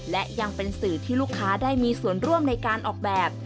และยังเป็นสื่อที่ลูกค้าได้มีส่วนร่วมในการออกแบบ